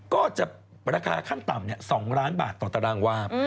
ก็จะราคาขั้นต่ำ๒ล้านบาทต่อตารางวาบ